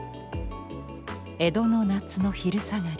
江戸の夏の昼下がり。